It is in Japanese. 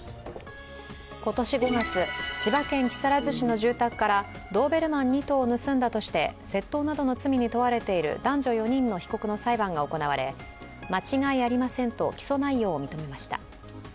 今年５月、千葉県木更津市の住宅からドーベルマン２頭を盗んだとして、窃盗などの罪に問われている男女４人の被告の裁判が行われ間違いありませんと起訴内容を認めました。